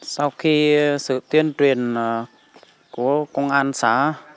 sau khi sự tuyên truyền của công an xã